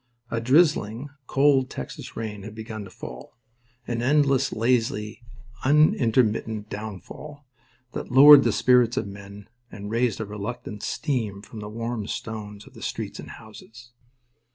A drizzling, cold Texas rain had begun to fall—an endless, lazy, unintermittent downfall that lowered the spirits of men and raised a reluctant steam from the warm stones of the streets and houses.